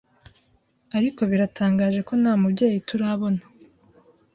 ariko biratangaje ko nta mubyeyi turabona